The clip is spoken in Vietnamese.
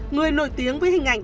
người nổi tiếng với hình ảnh